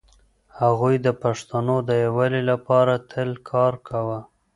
هغوی د پښتنو د يووالي لپاره تل کار کاوه.